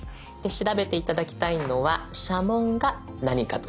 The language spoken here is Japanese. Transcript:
調べて頂きたいのは社紋が何かということ。